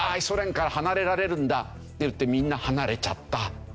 ソ連から離れられるんだっていってみんな離れちゃった。